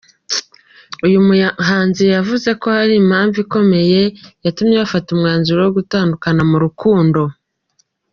Uyu muhanzi yavuze ko ‘hari impamvu ikomeye’ yatumye bafata umwanzuro wo gutandukana mu rukundo.